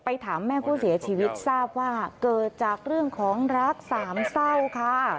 ถามแม่ผู้เสียชีวิตทราบว่าเกิดจากเรื่องของรักสามเศร้าค่ะ